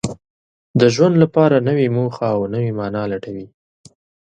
د ژوند لپاره نوې موخه او نوې مانا لټوي.